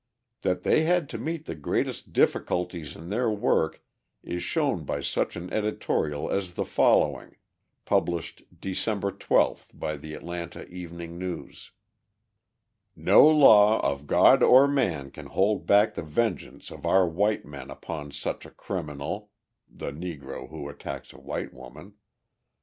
That they had to meet the greatest difficulties in their work is shown by such an editorial as the following, published December 12th by the Atlanta Evening News: No law of God or man can hold back the vengeance of our white men upon such a criminal [the Negro who attacks a white woman].